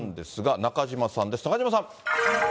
中島さん。